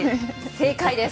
正解です。